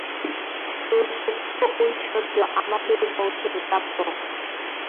এই গুপ্ত ঐশ্বর্য আমাদেরই বংশের প্রাপ্য।